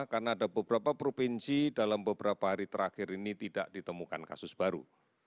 karena ada beberapa provinsi dalam beberapa hari terakhir ini tidak ditemukan kasus baru